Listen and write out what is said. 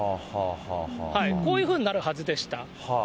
こういうふうになるはずでした。